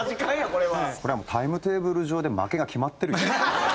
これはもうタイムテーブル上で負けが決まってるよ。